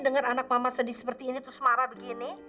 dengar anak mama sedih seperti ini terus marah begini